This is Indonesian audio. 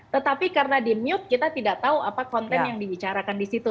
tetapi karena di mute kita tidak tahu apa konten yang dibicarakan di situ